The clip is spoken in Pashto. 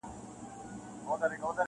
پېړۍ واوښتې قرنونه دي تېریږي-